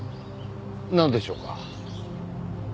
なんでしょうか？